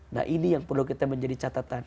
nah ini yang perlu kita menjadi catatan